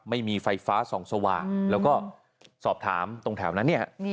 ไม่มีไฟฟ้าส่องสว่างแล้วก็สอบถามตรงแถวนั้นเนี่ย